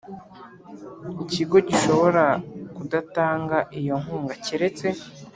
Ikigo gishobora kudatanga iyo nkunga keretse